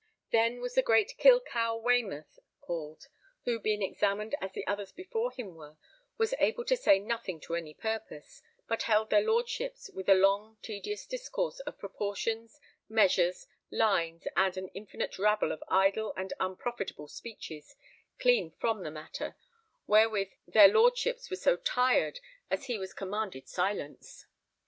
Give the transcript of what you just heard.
Then was great killcow Waymouth called, who being examined as the others before him were, was able to say nothing to any purpose, but held their Lordships with a long tedious discourse of proportions, measures, lines, and an infinite rabble of idle and unprofitable speeches clean from the matter, wherewith their Lordships were so tired as he was commanded silence.